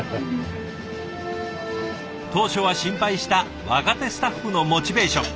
当初は心配した若手スタッフのモチベーション。